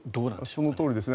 そのとおりですね。